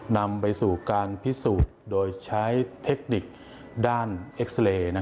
นำไปสู่การพิสูจน์โดยใช้เทคนิคด้านเอ็กซาเรย์